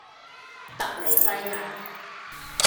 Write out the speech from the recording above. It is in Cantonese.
突尼西亞